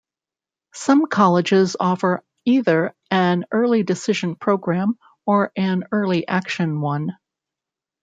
Some colleges offer either an early decision program or an early action one.